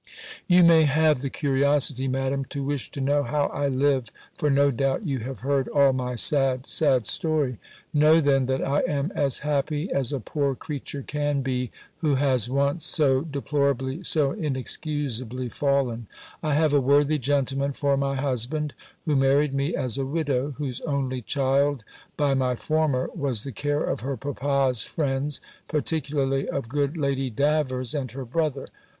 "You may have the curiosity, Madam, to wish to know how I live: for no doubt you have heard all my sad, sad story! Know, then, that I am as happy, as a poor creature can be, who has once so deplorably, so inexcusably fallen. I have a worthy gentleman for my husband, who married me as a widow, whose only child by my former was the care of her papa's friends, particularly of good Lacy Davers and her brother.